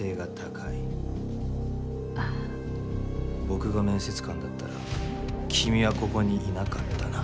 僕が面接官だったら君はここにいなかったな。